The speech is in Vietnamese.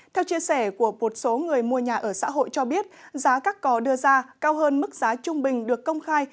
theo chia sẻ của một số người mua nhà ở xã hội cho biết giá các cò đưa ra cao hơn mức giá trung bình được công khai